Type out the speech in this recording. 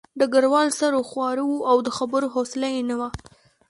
ډګروال سر وښوراوه او د خبرو حوصله یې نه وه